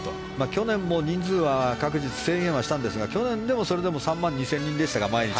去年は人数も制限はしたんですが去年でも、それでも３万２０００人でしたか、毎日。